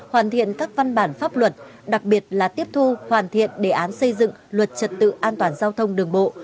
hoàn thiện các văn bản pháp luật đặc biệt là tiếp thu hoàn thiện đề án xây dựng luật trật tự an toàn giao thông đường bộ